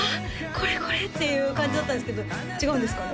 これこれっていう感じだったんですけど違うんですかね？